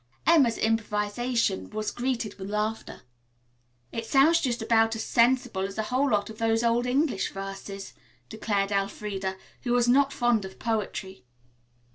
Emma's improvisation was greeted with laughter. "It sounds just about as sensible as a whole lot of those old English verses," declared Elfreda, who was not fond of poetry.